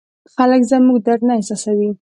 خلک زموږ درد نه احساسوي.